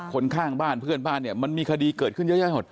ข้างบ้านเพื่อนบ้านเนี่ยมันมีคดีเกิดขึ้นเยอะแยะหมด